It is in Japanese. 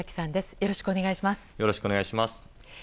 よろしくお願いします。